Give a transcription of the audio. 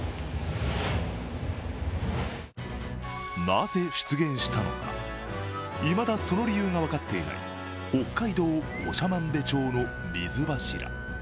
なぜ出現したのかいまだその理由が分かっていない北海道長万部町の水柱。